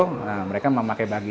nah mereka memakai bagi